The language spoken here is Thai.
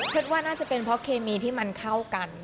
ว่าน่าจะเป็นเพราะเคมีที่มันเข้ากัน